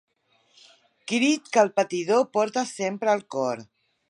Crit que el patidor porta sempre al cor.